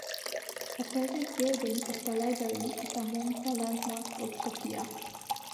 The present building of the library is among the landmarks of Sofia.